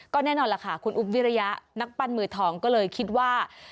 แน่นอนล่ะค่ะคุณอุ๊บวิริยะนักปั้นมือทองก็เลยคิดว่า